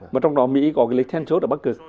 mà trong đó mỹ có lịch thiên chốt ở bắt cực